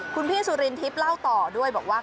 คุณพี่สุรินทิพย์เล่าต่อด้วยบอกว่า